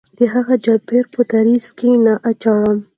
دهغه جبار په دوزخ کې نه اچوم.